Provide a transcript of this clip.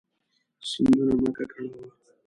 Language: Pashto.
سیندونه مه ککړوه.